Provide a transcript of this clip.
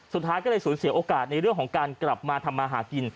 สุดท้ายก็เลยสูญเสียโอกาสในเรื่องของการกลับมาทำมาหากิน